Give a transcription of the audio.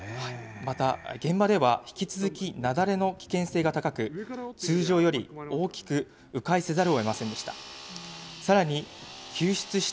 また、現場では引き続き雪崩の危険性が高く、通常より大きくう回せざるをえませんでした。